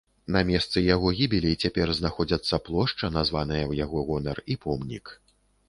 На месцы яго гібелі цяпер знаходзяцца плошча, названая ў яго гонар, і помнік.